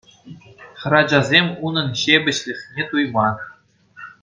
Хӗрачасем унӑн ҫепӗҫлӗхне туйман.